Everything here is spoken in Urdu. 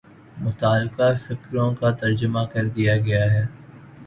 متعلقہ فقروں کا ترجمہ کر دیا گیا ہے